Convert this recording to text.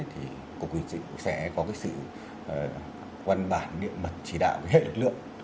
thì cục quyền trị sẽ có sự văn bản địa mật chỉ đạo với hết lực lượng